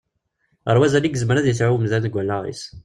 Ɣer wazal i yezmer ad yesɛu umdan deg wallaɣ-is.